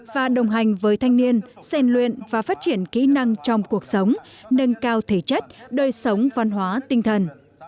và đồng hành với thanh niên rèn luyện và phát triển kỹ năng trong cuộc sống nâng cao thể chất đời sống văn hóa tinh thần